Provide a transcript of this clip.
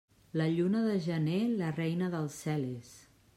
La lluna de gener la reina del cel és.